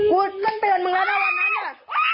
กูกลับไปกับมึงแล้วตั้งแต่วันนั้น